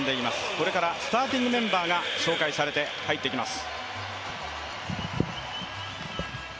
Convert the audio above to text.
これからスターティングメンバーが紹介されて入ってきます。